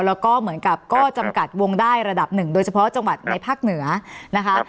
แล้วก็เหมือนกับก็จำกัดวงได้ระดับหนึ่งโดยเฉพาะจังหวัดในภาคเหนือนะคะ